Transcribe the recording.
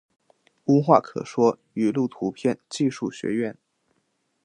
无话可说语录图片技术学院